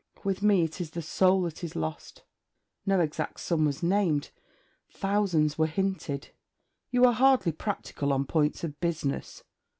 With me it is the soul that is lost. No exact sum was named; thousands were hinted.' 'You are hardly practical on points of business.'